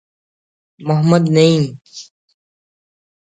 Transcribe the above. محمد نعیم